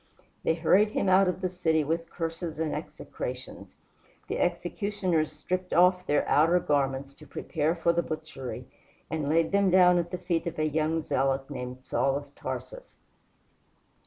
They hurried him out of the city with curses and execrations. The executioners stripped off their outer garments to prepare for the butchery, and laid them down at the feet of a young zealot named Saul of Tarsus.